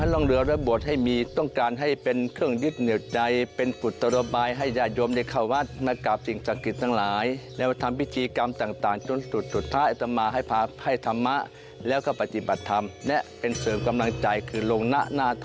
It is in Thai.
ร่องเรือลอดโบสถ์เป็นพิธีกรรมสดกเคราะห์ของวัดห้วยน้ำจน